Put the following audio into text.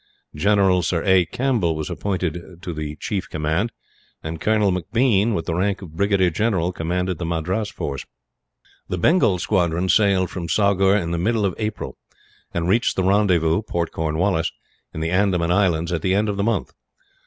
General Sir A. Campbell was appointed to the chief command, and Colonel M'Bean, with the rank of Brigadier General, commanded the Madras force. The Bengal squadron sailed from Saugur in the middle of April; and reached the rendezvous, Port Cornwallis, in the Andaman Islands, at the end of the month.